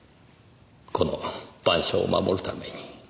この『晩鐘』を守るために。